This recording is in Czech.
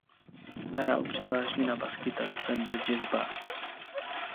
Hrál převážně na baskytaru Fender Jazz Bass.